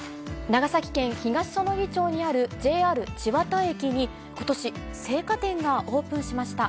長崎県東彼杵町にあるＪＲ千綿駅に、ことし、生花店がオープンしました。